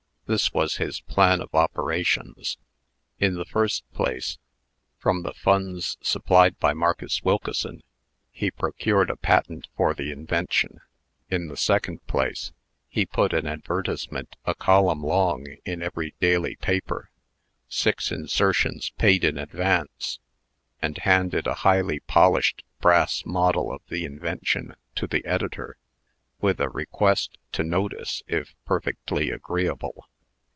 This was his plan of operations: In the first place, from the funds supplied by Marcus Wilkeson, he procured a patent for the invention. In the second place, he put an advertisement a column long in every daily paper six insertions paid in advance and handed a highly polished brass model of the invention to the editor, with a request to notice, if perfectly agreeable.